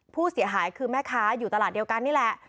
ผู้เสียหายคือแม่ค้าอยู่ตลาดเดียวกันนี่แหละ